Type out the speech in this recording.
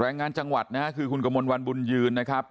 แรงงานจังหวัดนะฮะคือคุณกระมวลวันบุญยืนนะครับ